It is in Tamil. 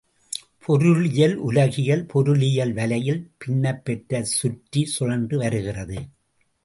பொருளியல் உலகியல், பொருளியல் வலையில் பின்னப் பெற்றுச் சுற்றி சுழன்று வருகிறது.